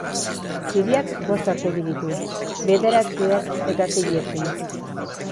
Ziriak bost aurpegi ditu, bederatzi ertz eta sei erpin.